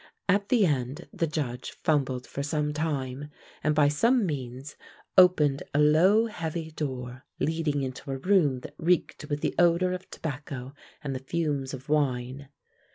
At the end the Judge fumbled for some time, and by some means opened a low, heavy door leading into a room that reeked with the odor of tobacco and the fumes of wine.